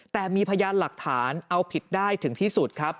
แต่มีพยานหลักฐานเอาผิดได้ถึงที่สุดครับ